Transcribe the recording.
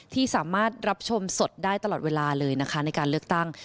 ที่สามารถรับชมสดได้ตลอดเวลาเลยนะคะในการเลือกตั้ง